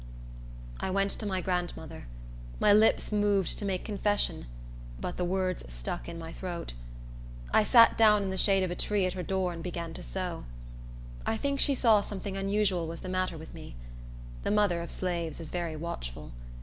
I went to my grandmother. My lips moved to make confession, but the words stuck in my throat. I sat down in the shade of a tree at her door and began to sew. I think she saw something unusual was the matter with me. The mother of slaves is very watchful.